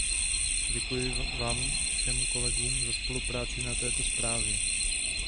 Děkuji vám všem kolegům za spolupráci na této zprávě.